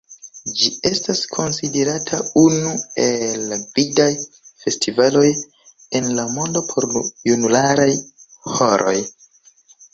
Ĝi estas konsiderata unu el la gvidaj festivaloj en la mondo por junularaj ĥoroj.